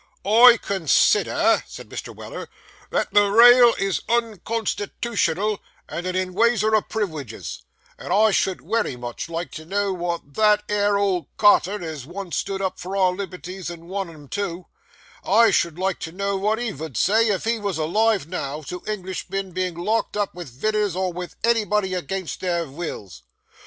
'I con sider,' said Mr. Weller, 'that the rail is unconstitootional and an inwaser o' priwileges, and I should wery much like to know what that 'ere old Carter as once stood up for our liberties and wun 'em too,—I should like to know wot he vould say, if he wos alive now, to Englishmen being locked up vith widders, or with anybody again their wills.